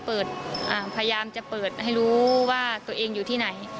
พยายามจะเปิดให้รู้ว่าตัวเองอยู่ที่ไหน